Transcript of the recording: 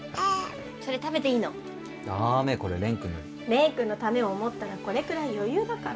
蓮くんのためを思ったらこれくらい余裕だから。